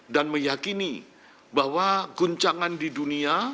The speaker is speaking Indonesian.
dan meyakini bahwa guncangan di dunia